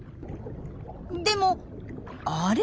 でもあれ？